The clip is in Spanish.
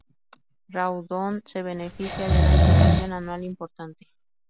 Rawdon se beneficia de una insolación anual importante.